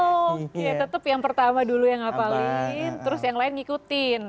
oh iya tetep yang pertama dulu yang ngapalin terus yang lain ngikutin